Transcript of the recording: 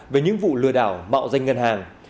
về những vụ lừa đảo mạo danh ngân hàng